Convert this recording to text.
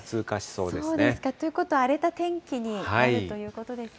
そうですか、ということは荒れた天気になるということですね。